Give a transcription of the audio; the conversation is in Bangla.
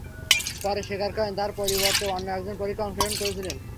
পরে তিনি স্বীকার করেন, তাঁর পরিবর্তে অন্য একজন পরীক্ষায় অংশগ্রহণ করেছিলেন।